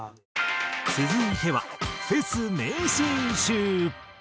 続いてはフェス名シーン集。